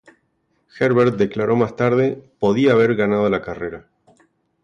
Herbert declaró más tarde "podía haber ganado la carrera".